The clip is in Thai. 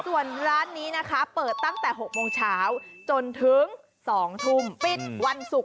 ส่วนร้านนี้นะคะเปิดตั้งแต่๖โมงเช้าจนถึง๒ทุ่มปิดวันศุกร์